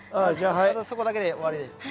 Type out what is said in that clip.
あとそこだけで終わり。